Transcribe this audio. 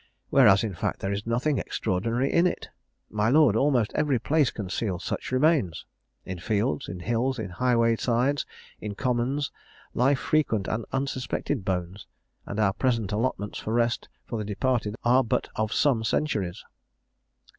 whereas, in fact, there is nothing extraordinary in it. My lord, almost every place conceals such remains. In fields, in hills, in highway sides, in commons, lie frequent and unsuspected bones; and our present allotments for rest for the departed are but of some centuries.